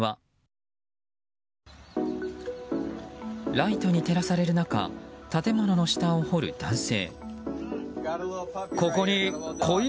ライトに照らされる中建物の下を掘る男性。